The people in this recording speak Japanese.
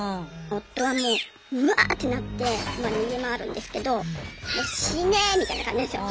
夫はもうウワーッてなってまあ逃げ回るんですけどもう死ねみたいな感じですよ。